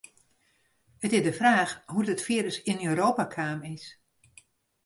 It is de fraach hoe't it firus yn Europa kaam is.